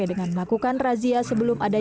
dengan melakukan razia sebelum ada